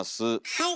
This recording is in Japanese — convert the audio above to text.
はい。